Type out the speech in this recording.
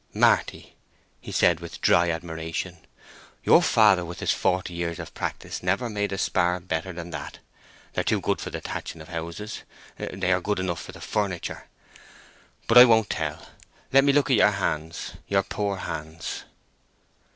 "Marty," he said, with dry admiration, "your father with his forty years of practice never made a spar better than that. They are too good for the thatching of houses—they are good enough for the furniture. But I won't tell. Let me look at your hands—your poor hands!"